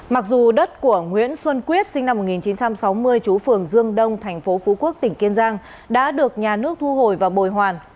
mặc dù đất của nguyễn xuân quyết sinh năm một nghìn chín trăm sáu mươi chú phường dương đông thành phố phú quốc tỉnh kiên giang đã được nhà nước thu hồi và bồi hoàn